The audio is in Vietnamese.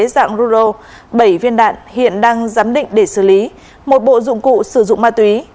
dạng rulo bảy viên đạn hiện đang giám định để xử lý một bộ dụng cụ sử dụng ma túy